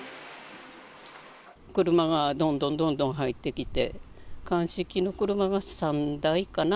車がどんどんどんどん入ってきて、鑑識の車が３台かな。